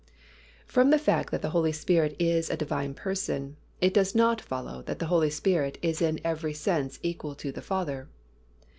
From the fact that the Holy Spirit is a Divine Person, it does not follow that the Holy Spirit is in every sense equal to the Father.